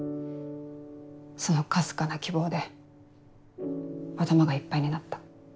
そのかすかな希望で頭がいっぱいになった。